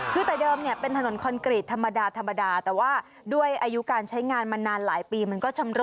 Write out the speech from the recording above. คือแต่เดิมเนี่ยเป็นถนนคอนกรีตธรรมดาธรรมดาแต่ว่าด้วยอายุการใช้งานมานานหลายปีมันก็ชำรุ